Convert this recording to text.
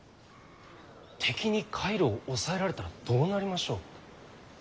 敵に海路を抑えられたらどうなりましょう？